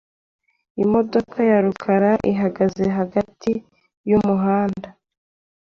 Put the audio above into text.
Imodoka ya rukara ihagaze hagati yumuhanda .